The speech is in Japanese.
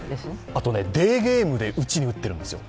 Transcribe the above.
あとデーゲームで打ちに打ってるんですよ。